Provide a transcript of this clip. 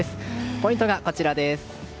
ポイントがこちら。